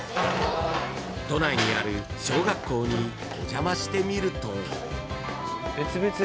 ［都内にある小学校にお邪魔してみると］